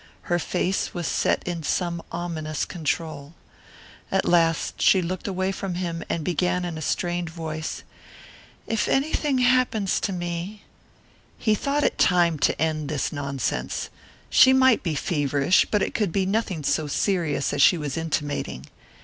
Her face was set in some ominous control. At last she looked away from him and began in a strained voice, "If anything happens to me " He thought it time to end this nonsense. She might be feverish, but it could be nothing so serious as she was intimating.